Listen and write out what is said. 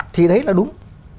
thì đấy là đúng